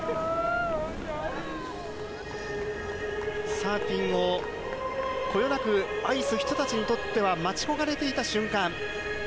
サーフィンをこよなく愛す人たちにとっては待ち焦がれていた瞬間。